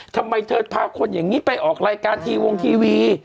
ทำไมเธอพาคนอย่างนี้ไปออกรายการทีวงทีวี